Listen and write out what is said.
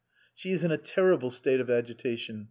"She is in a terrible state of agitation.